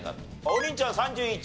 王林ちゃんは３１。